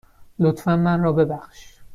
لطفاً من را ببخش.